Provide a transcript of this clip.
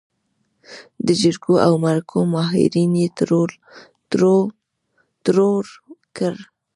د جرګو او مرکو ماهرين يې ترور کړل.